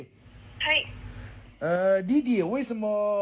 はい。